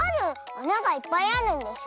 あながいっぱいあるんでしょ。